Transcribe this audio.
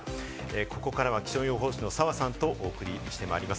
ここからは気象予報士の澤さんとお送りしてまいります。